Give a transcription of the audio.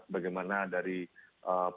bagaimana dari pak